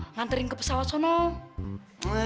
ngantri ke pesawat sana